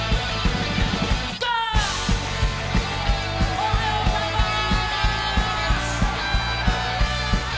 おはようございます！！